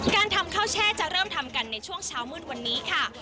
การทำข้าวแช่จะเริ่มทำกันในช่วงเช้ามืดวันนี้ค่ะ